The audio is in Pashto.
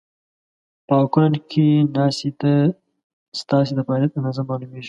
په اکونټ کې ناسې ته ستاسې د فعالیت اندازه مالومېږي